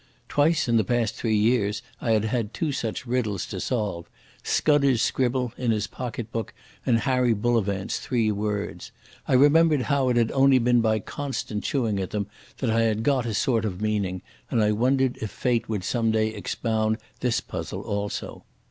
Twice in the past three years I had had two such riddles to solve—Scudder's scribble in his pocket book, and Harry Bullivant's three words. I remembered how it had only been by constant chewing at them that I had got a sort of meaning, and I wondered if fate would some day expound this puzzle also.